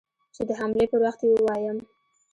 چې د حملې پر وخت يې ووايم.